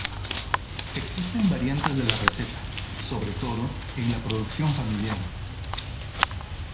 Existen variantes de la receta, sobre todo en la producción familiar.